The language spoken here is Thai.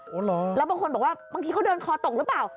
แล้วบางคนบอกว่าบางทีเขาเดินคอตกหรือเปล่า